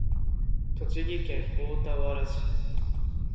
栃木県大田原市